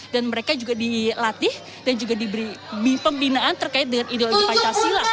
dan mereka juga dilatih dan juga diberi pembinaan terkait dengan ideologi pancasila